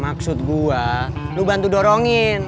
maksud gue lu bantu dorongin